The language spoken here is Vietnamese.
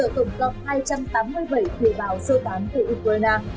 trở tổng cộng hai trăm tám mươi bảy thủy bào sơ tán từ ukraine